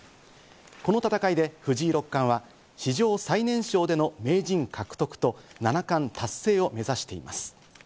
この戦いで藤井六冠は史上最年少での名人獲得と七冠達成を目指しています。